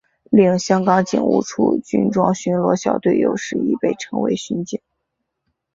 另香港警务处军装巡逻小队有时亦被称为巡警。